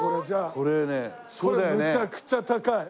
これむちゃくちゃ高い。